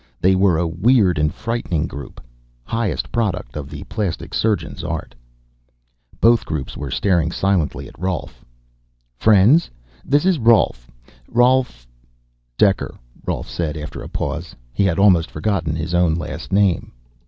They were a weird and frightening group, highest product of the plastic surgeon's art. Both groups were staring silently at Rolf. "Friends, this is Rolf Rolf " "Dekker," Rolf said after a pause. He had almost forgotten his own last name.